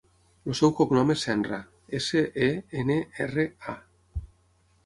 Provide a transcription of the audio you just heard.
El seu cognom és Senra: essa, e, ena, erra, a.